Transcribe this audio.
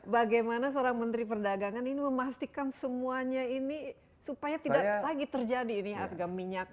bagaimana seorang menteri perdagangan ini memastikan semuanya ini supaya tidak lagi terjadi ini harga minyak